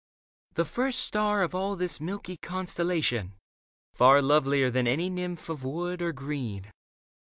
The first star Of all this milky constellation, far Lovelier than any nymph of wood or green.